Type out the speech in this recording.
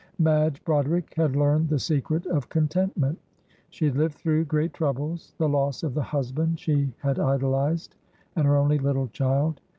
Madge Broderick had learned the secret of contentment; she had lived through great troubles the loss of the husband she had idolised, and her only little child.